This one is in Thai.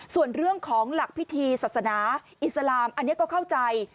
ส่วนเรื่องของหลักพิธีศาสนาอิสลามอันนี้ก็เข้าใจ